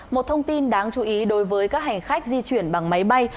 một thông tin đáng chú ý đối với các hành khách di chuyển bằng máy bay